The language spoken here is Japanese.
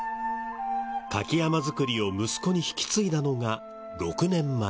舁き山笠作りを息子に引き継いだのが６年前。